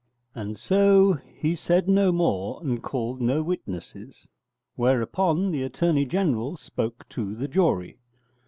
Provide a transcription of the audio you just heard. And so he said no more, and called no witnesses. Whereupon the Attorney General spoke to the jury.